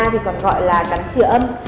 thì còn gọi là cắn trị âm